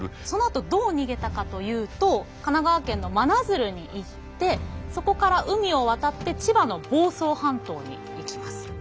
そのあとどう逃げたかというと神奈川県の真鶴に行ってそこから海を渡って千葉の房総半島に行きます。